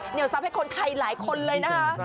เหนียวซับให้คนไทยหลายคนเลยนะ